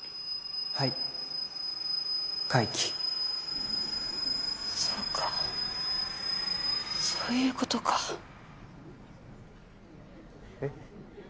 はい回帰そうかそういうことかえっ？